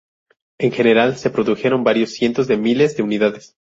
En general, se produjeron varios cientos de miles de unidades.